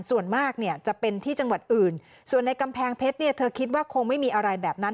ส่วนมากเนี่ยจะเป็นที่จังหวัดอื่นส่วนในกำแพงเพชรเนี่ยเธอคิดว่าคงไม่มีอะไรแบบนั้น